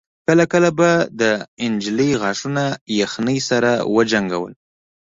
کله کله به د نجلۍ غاښونه يخنۍ سره وجنګول.